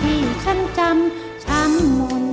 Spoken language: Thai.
ที่ฉันจำช้ำหมุน